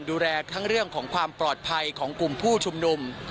ดูแลทั้งเรื่องของความปลอดภัยของกลุ่มผู้ชุมนุม